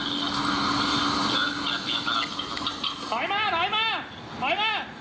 นอนลงนอนลงนอนลง